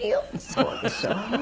「そうでしょう？」